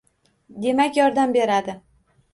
Demak, yordam beradi